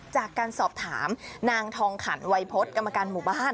จากการสอบถามนางทองขันวัยพฤษกรรมการหมู่บ้าน